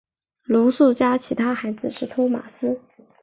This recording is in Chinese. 罗素家其他孩子是托马斯。